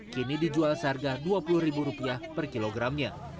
kini dijual seharga dua puluh ribu rupiah per kilogramnya